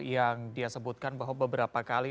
yang dia sebutkan bahwa beberapa kali